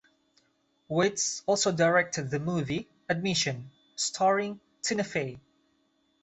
Weitz also directed the movie "Admission", starring Tina Fey.